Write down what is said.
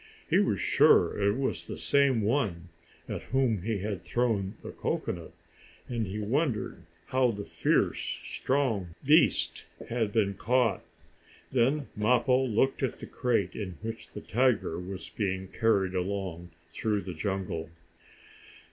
He was sure it was the same one at whom he had thrown the cocoanut, and he wondered how the fierce, strong beast had been caught. Then Mappo looked at the crate in which the tiger was being carried along through the jungle.